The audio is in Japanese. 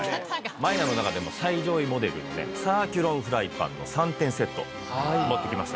マイヤーの中でも最上位モデルのねサーキュロンフライパンの３点セット持ってきました。